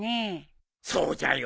そうじゃよ。